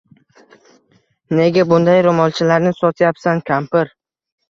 Nega bunday roʻmolchalarni sotyapsan, kampir?